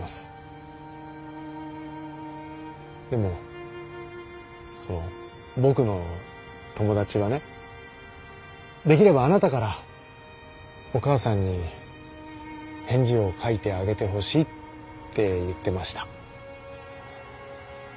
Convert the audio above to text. でもそう僕の友達はねできればあなたからお母さんに返事を書いてあげてほしいって言ってました。